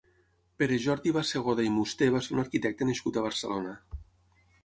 Pere-Jordi Bassegoda i Musté va ser un arquitecte nascut a Barcelona.